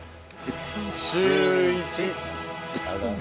シューイチ。